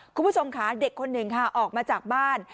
คุณผู้ชมค่ะเด็กคนหนึ่งค่ะออกมาจากบ้าน